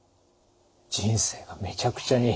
人生がめちゃくちゃに。